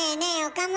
岡村。